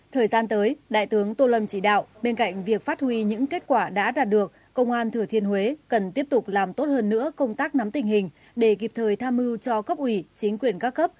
tại buổi làm việc đại tướng tô lâm đã chúc mừng những thành tích xuất sắc của công an thừa thiên huế đã đạt được trong thời gian qua